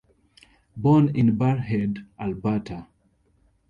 Born in Barrhead, Alberta.